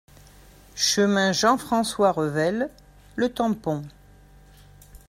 Chemin Jean-Francois Revel, Le Tampon